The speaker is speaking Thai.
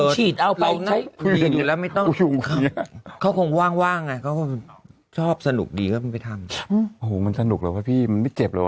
ทางทางต่างแกร่านขนาดไหนอ่ะเอ่อกูอยู่อย่างเงี้ยแหละ